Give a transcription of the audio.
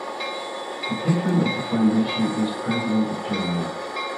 The patron of the Foundation is President of Germany.